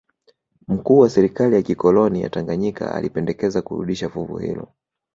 Mkuu wa serikali ya kikoloni ya Tanganyika alipendekeza kurudisha fuvu hilo